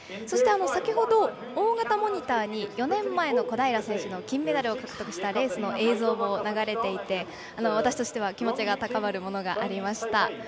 そして、先ほど、大型モニターに４年前の小平選手の金メダルを獲得したレースの映像も流れていて私としては気持ちが高まるものがありました。